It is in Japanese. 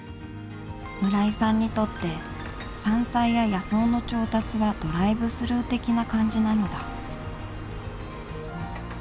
村井さんにとって山菜や野草の調達はドライブスルー的な感じなのだ